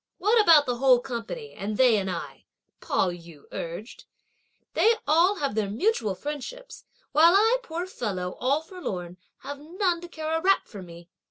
"What about the whole company, and they and I?" Pao yü urged. "They all have their mutual friendships; while I, poor fellow, all forlorn, have none to care a rap for me."